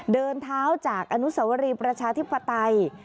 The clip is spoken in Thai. เดินเท้าจากอนุสวรีประชาธิปไตย